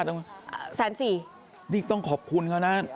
แสน๑๐๐๐๐บาทนี่ต้องขอบคุณเขานะ